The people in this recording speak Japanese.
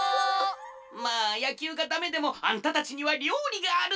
まあやきゅうがダメでもあんたたちにはりょうりがある！